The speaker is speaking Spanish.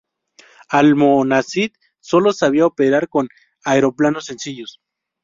Almonacid sólo sabía operar con aeroplanos sencillos.